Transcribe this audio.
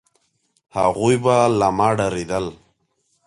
هغوی به له ما ډارېدل،